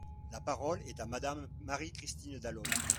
La parole est à Madame Marie-Christine Dalloz.